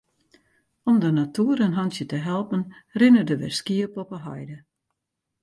Om de natoer in hantsje te helpen rinne der wer skiep op de heide.